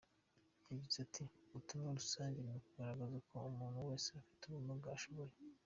Yagize ati “Ubutumwa rusange ni ukugaragaza ko umuntu wese ufite ubumuga ashoboye.